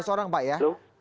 empat belas orang pak ya